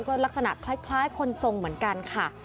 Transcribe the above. ก็ลักษณะคล้ายคนทรงเหมือนกันค่ะ